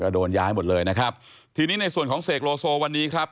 โดนย้ายหมดเลยนะครับทีนี้ในส่วนของเสกโลโซวันนี้ครับ